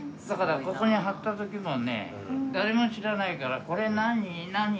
だからここに貼った時もね誰も知らないから「これ何？何？」